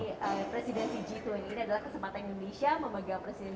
ini adalah kesempatan indonesia memegang presiden cg dua puluh